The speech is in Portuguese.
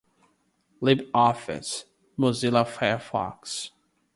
libreoffice, mozilla firefox